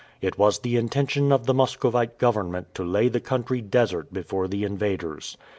It was the intention of the Muscovite government to lay the country desert before the invaders.